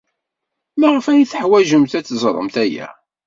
Maɣef ay teḥwajemt ad teẓremt aya?